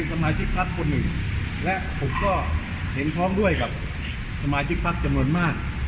คุณเป็นสมาชิกทัศน์คนหนึ่งและเห็นคร้องด้วยกับสมาชิกทัศน์จำนวนมาก